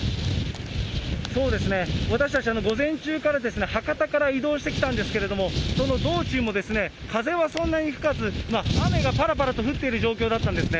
そうですね、私たち、午前中から博多から移動してきたんですけれども、その道中も風はそんなに吹かず、雨がぱらぱらと降っている状況だったんですね。